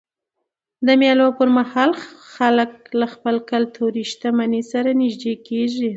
د مېلو پر مهال خلک له خپلي کلتوري شتمنۍ سره نيژدې کېږي.